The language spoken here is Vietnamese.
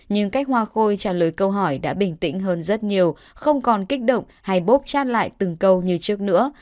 nhưng cách hoa khôi trả lời câu hỏi đã bình tĩnh hơn rất nhiều không còn kích động hay bốp chát lại từng câu như trước nữa